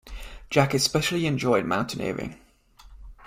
Jack especially enjoyed mountaineering.